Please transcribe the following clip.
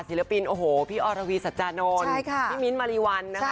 ศิลปินพี่ออดระวีสัจจานนท์พี่มิ้นมะลิวัน